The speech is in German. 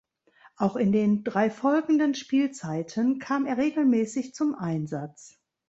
Auch in den drei folgenden Spielzeiten kam er regelmäßig zum Einsatz.